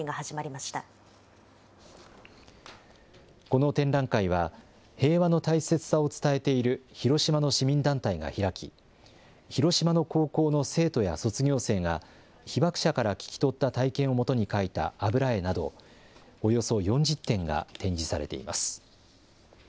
まこの展覧会は、平和の大切さを伝えている広島の市民団体が開き、広島の高校の生徒や卒業生が、被爆者から聞き取った体験をもとに描いた油絵などおよそ４０点が展示されています。